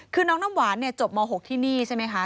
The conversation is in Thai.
คือน้องน้ำหวานจบม๖ที่นี่ใช่ไหมคะ